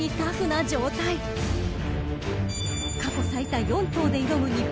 ［過去最多４頭で挑む日本馬］